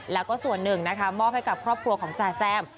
แล้วก็ส่วนหนึ่งนะคะมอบให้กับครอบครัวของจ่าแซม